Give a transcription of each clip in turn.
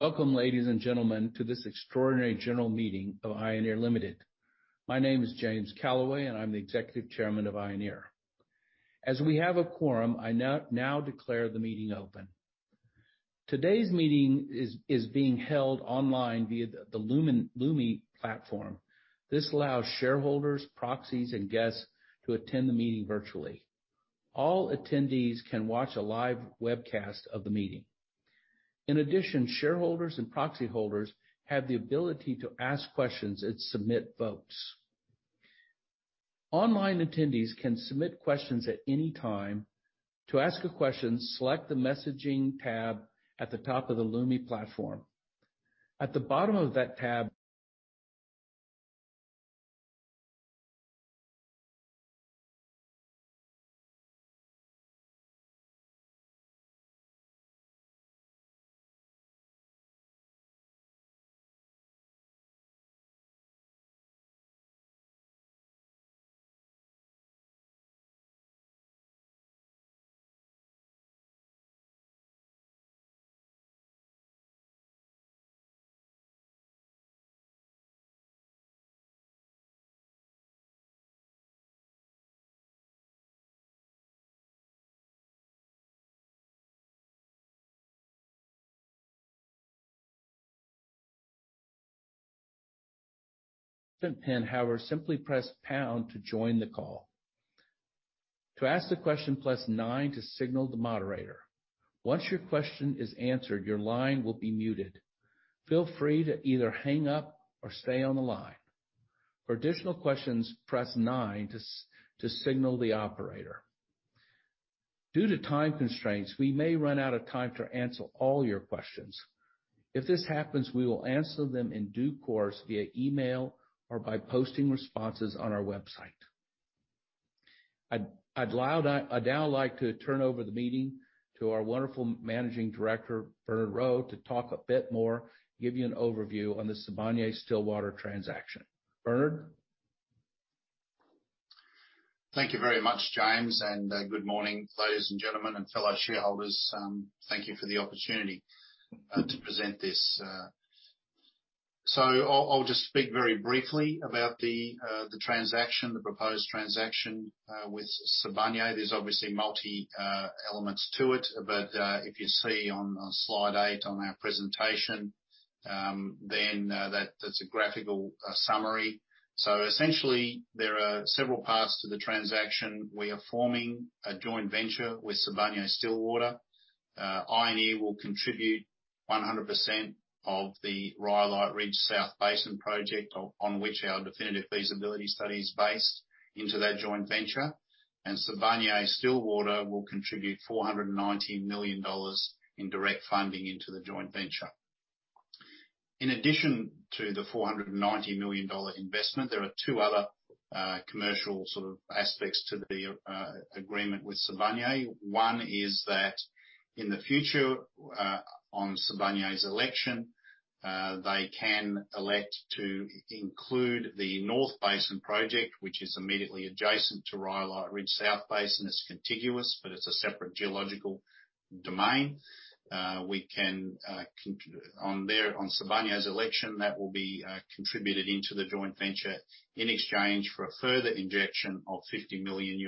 Welcome, ladies and gentlemen, to this extraordinary general meeting of Ioneer Limited. My name is James D. Calaway, and I'm the Executive Chairman of Ioneer. As we have a quorum, I now declare the meeting open. Today's meeting is being held online via the Lumi platform. This allows shareholders, proxies, and guests to attend the meeting virtually. All attendees can watch a live webcast of the meeting. In addition, shareholders and proxy holders have the ability to ask questions and submit votes. Online attendees can submit questions at any time. To ask a question, select the messaging tab at the top of the Lumi platform. At the bottom of that tab, simply press pound to join the call. To ask the question, press nine to signal the moderator. Once your question is answered, your line will be muted. Feel free to either hang up or stay on the line. For additional questions, press nine to signal the operator. Due to time constraints, we may run out of time to answer all your questions. If this happens, we will answer them in due course via email or by posting responses on our website. I'd now like to turn over the meeting to our wonderful Managing Director, Bernard Rowe, to talk a bit more, give you an overview on the Sibanye-Stillwater transaction. Bernard? Thank you very much, James. Good morning, ladies and gentlemen and fellow shareholders. Thank you for the opportunity to present this. I'll just speak very briefly about the proposed transaction with Sibanye. There's obviously multi elements to it. If you see on slide eight on our presentation, then that's a graphical summary. Essentially, there are several parts to the transaction. We are forming a joint venture with Sibanye-Stillwater. Ioneer will contribute 100% of the Rhyolite Ridge South Basin project on which our definitive feasibility study is based into that joint venture, and Sibanye-Stillwater will contribute $490 million in direct funding into the joint venture. In addition to the $490 million investment, there are two other commercial sort of aspects to the agreement with Sibanye. One is that in the future, on Sibanye's election, they can elect to include the North Basin project, which is immediately adjacent to Rhyolite Ridge South Basin. It is contiguous, but it is a separate geological domain. On Sibanye's election, that will be contributed into the joint venture in exchange for a further injection of $50 million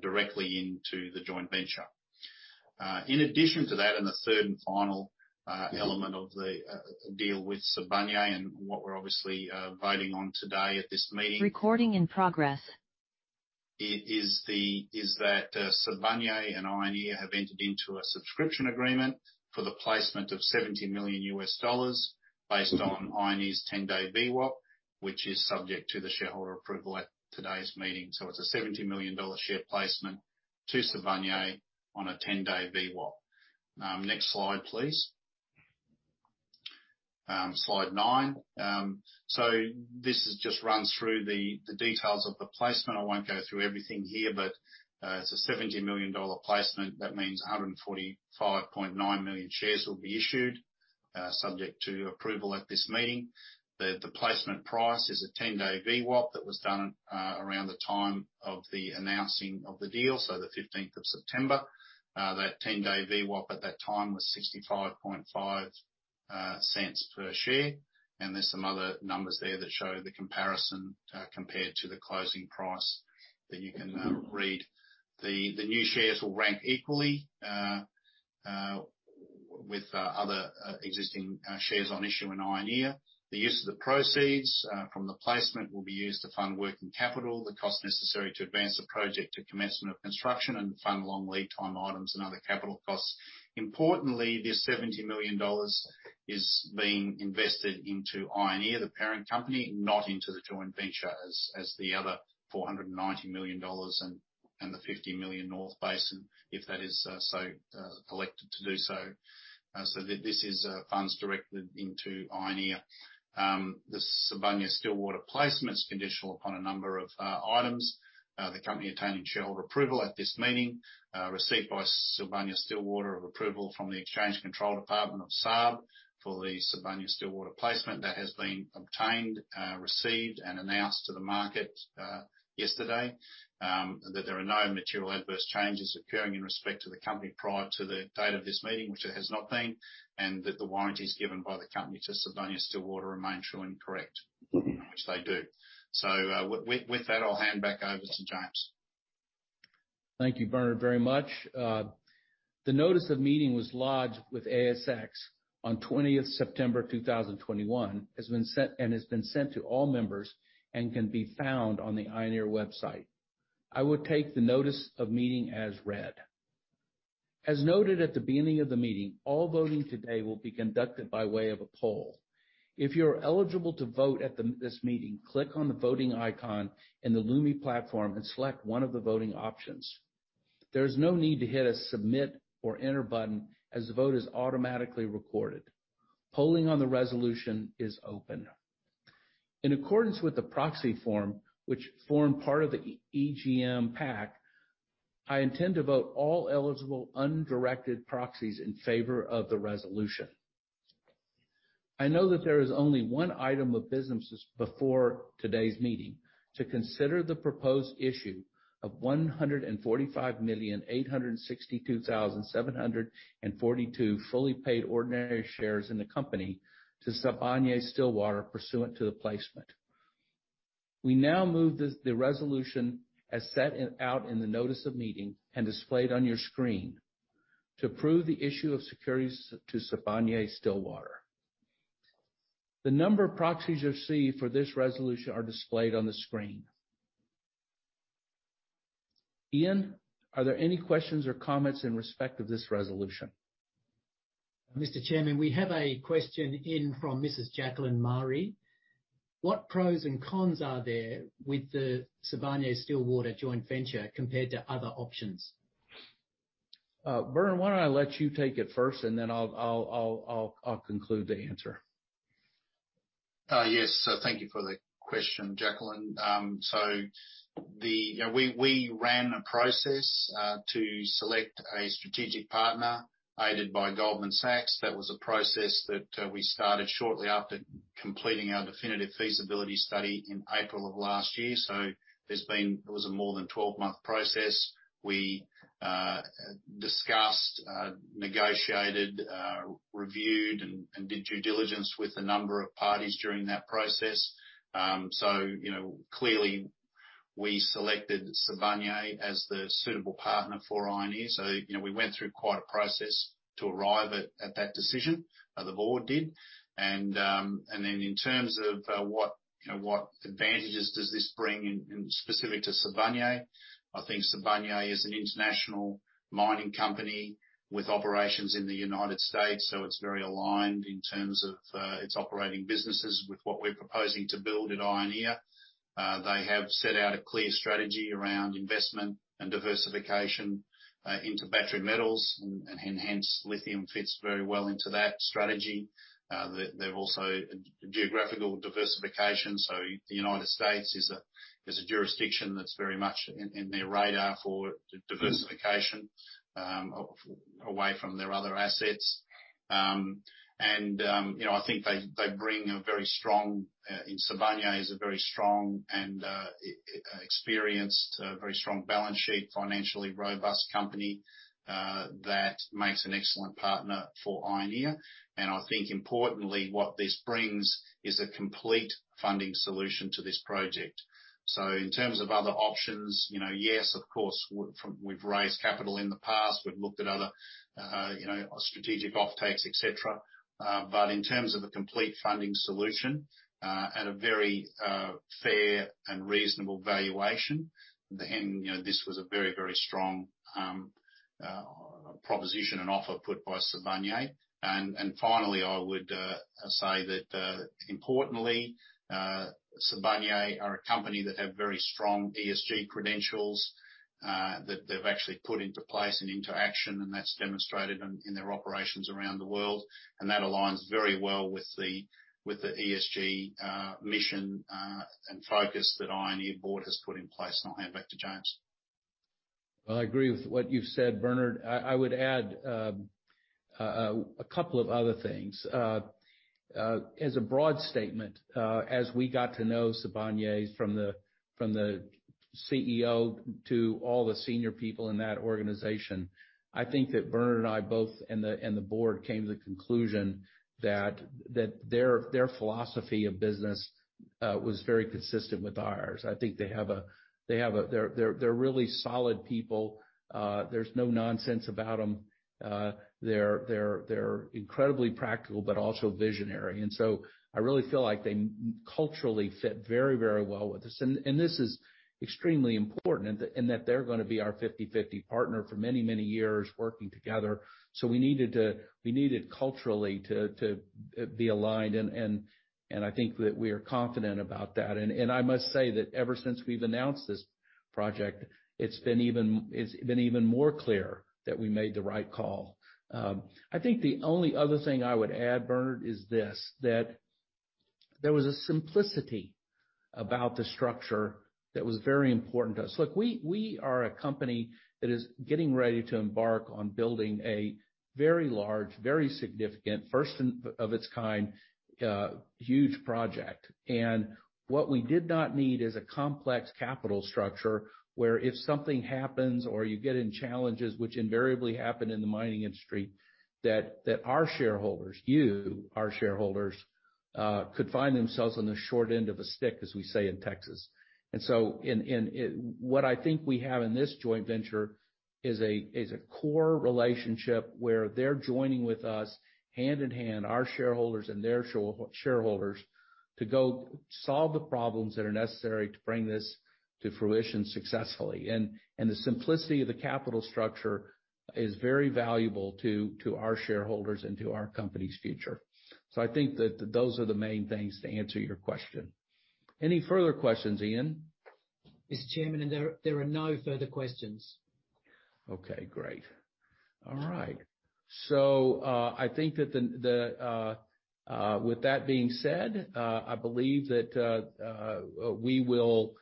directly into the joint venture. In addition to that, the third and final element of the deal with Sibanye and what we are obviously voting on today at this meeting. Recording in progress Is that Sibanye and Ioneer have entered into a subscription agreement for the placement of $70 million based on Ioneer's 10-day VWAP, which is subject to the shareholder approval at today's meeting. It's a $70 million share placement to Sibanye on a 10-day VWAP. Next slide, please. Slide nine. This just runs through the details of the placement. I won't go through everything here, but it's a $70 million placement. That means 145.9 million shares will be issued, subject to approval at this meeting. The placement price is a 10-day VWAP that was done around the time of the announcing of the deal, the 15th, of September. That 10-day VWAP at that time was 0.655 per share. There's some other numbers there that show the comparison compared to the closing price that you can read. The new shares will rank equally with other existing shares on issue in Ioneer. The use of the proceeds from the placement will be used to fund working capital, the cost necessary to advance the project to commencement of construction and fund long lead time items and other capital costs. Importantly, this $70 million is being invested into Ioneer, the parent company, not into the joint venture as the other $490 million and the $50 million North Basin, if that is so elected to do so. This is funds directed into Ioneer. The Sibanye-Stillwater placement is conditional upon a number of items. The company obtaining shareholder approval at this meeting, received by Sibanye-Stillwater of approval from the Financial Surveillance Department of SARB for the Sibanye-Stillwater placement that has been obtained, received, and announced to the market yesterday, that there are no material adverse changes occurring in respect to the company prior to the date of this meeting, which there has not been, and that the warranties given by the company to Sibanye-Stillwater remain true and correct. Which they do. With that, I'll hand back over to James. Thank you, Bernard, very much. The notice of meeting was lodged with ASX on 20th, September 2021, and has been sent to all members and can be found on the Ioneer website. I would take the notice of meeting as read. As noted at the beginning of the meeting, all voting today will be conducted by way of a poll. If you're eligible to vote at this meeting, click on the voting icon in the Lumi platform and select one of the voting options. There's no need to hit a submit or enter button, as the vote is automatically recorded. Polling on the resolution is open. In accordance with the proxy form, which form part of the EGM pack, I intend to vote all eligible undirected proxies in favor of the resolution. I know that there is only one item of business before today's meeting, to consider the proposed issue of 145,862,742 fully paid ordinary shares in the company to Sibanye-Stillwater pursuant to the placement. We now move the resolution as set out in the notice of meeting and displayed on your screen to approve the issue of securities to Sibanye-Stillwater. The number of proxies received for this resolution are displayed on the screen. Ian, are there any questions or comments in respect of this resolution? Mr. Chairman, we have a question in from Mrs. Jacqueline Mari. "What pros and cons are there with the Sibanye-Stillwater joint venture compared to other options? Bernard, why don't I let you take it first, and then I'll conclude the answer. Yes. Thank you for the question, Jacqueline. We ran a process to select a strategic partner aided by Goldman Sachs. That was a process that we started shortly after completing our definitive feasibility study in April of last year. It was a more than 12-month process. We discussed, negotiated, reviewed, and did due diligence with a number of parties during that process. Clearly, we selected Sibanye as the suitable partner for Ioneer. We went through quite a process to arrive at that decision, the board did. In terms of what advantages does this bring in specific to Sibanye, I think Sibanye is an international mining company with operations in the United States, so it's very aligned in terms of its operating businesses with what we're proposing to build at Ioneer. They have set out a clear strategy around investment and diversification into battery metals and hence lithium fits very well into that strategy. They've also a geographical diversification. The United States is a jurisdiction that's very much in their radar for diversification away from their other assets. I think Sibanye is a very strong and experienced, very strong balance sheet, financially robust company that makes an excellent partner for Ioneer. I think importantly, what this brings is a complete funding solution to this project. In terms of other options, yes, of course, we've raised capital in the past. We've looked at other strategic offtakes, et cetera. In terms of the complete funding solution at a very fair and reasonable valuation, this was a very strong proposition and offer put by Sibanye. Finally, I would say that, importantly, Sibanye are a company that have very strong ESG credentials that they've actually put into place and into action, and that's demonstrated in their operations around the world. That aligns very well with the ESG mission and focus that Ioneer board has put in place. I'll hand back to James. I agree with what you've said, Bernard. I would add a couple of other things. As a broad statement, as we got to know Sibanye from the CEO to all the senior people in that organization, I think that Bernard and I both, and the board came to the conclusion that their philosophy of business was very consistent with ours. I think they're really solid people. There's no nonsense about them. They're incredibly practical, but also visionary. I really feel like they culturally fit very well with us. This is extremely important in that they're going to be our 50/50 partner for many years working together. We needed culturally to be aligned and I think that we are confident about that. I must say that ever since we've announced this project, it's been even more clear that we made the right call. I think the only other thing I would add, Bernard, is this, that there was a simplicity about the structure that was very important to us. Look, we are a company that is getting ready to embark on building a very large, very significant, first of its kind, huge project. What we did not need is a complex capital structure where if something happens or you get in challenges, which invariably happen in the mining industry, that our shareholders, you, our shareholders, could find themselves on the short end of a stick, as we say in Texas. What I think we have in this joint venture is a core relationship where they're joining with us hand in hand, our shareholders and their shareholders, to go solve the problems that are necessary to bring this to fruition successfully. The simplicity of the capital structure is very valuable to our shareholders and to our company's future. I think that those are the main things to answer your question. Any further questions, Ian? Mr. Chairman, there are no further questions. Okay, great. All right. I think with that being said, I believe that we will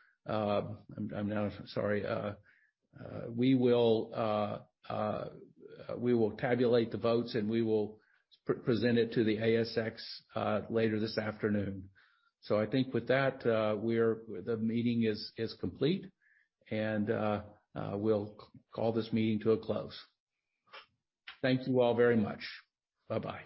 tabulate the votes, and we will present it to the ASX later this afternoon. I think with that, the meeting is complete and we'll call this meeting to a close. Thank you all very much. Bye-bye.